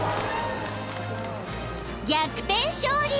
［逆転勝利］